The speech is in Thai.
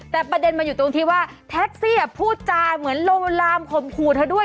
แต่ประเด็นมันอยู่ตรงที่ว่าแท็กซี่พูดจาเหมือนลมลามข่มขู่เธอด้วย